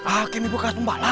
aar kami bukan sepeda